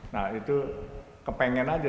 nah itu kepengen aja